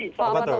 oh apa tuh